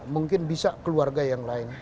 mungkin bisa keluarga yang lain